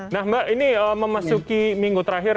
nah mbak ini memasuki minggu terakhir